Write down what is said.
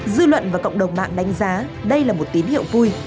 dư luận và cộng đồng mạng đánh giá đây là một tín hiệu vui